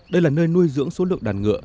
đây là nơi nuôi dưỡng số lượng đàn ngựa